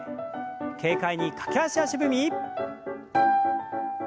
軽快に駆け足足踏み。